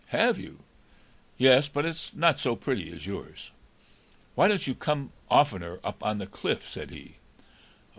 "Have you?" "Yes; but it is not so pretty as yours." "Why don't you come oftener up on the cliff?" said he.